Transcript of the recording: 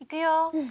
うん。